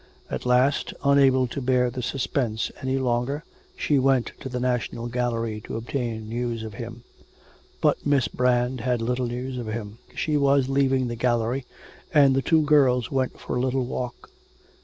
At last, unable to bear the suspense any longer, she went to the National Gallery to obtain news of him. But Miss Brand had little news of him. She was leaving the gallery, and the two girls went for a little walk.